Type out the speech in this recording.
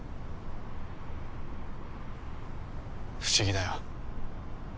不思議だよ。